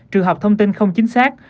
trường học thông tin không chính xác